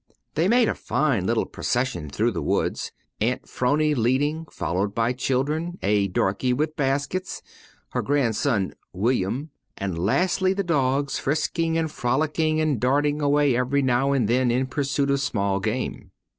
They made a fine little procession through the woods, Aunt 'Phrony leading, followed by children, a darky with baskets, her grandson "Wi'yum," and lastly the dogs, frisking and frolicking and darting away every now and then in pursuit of small game.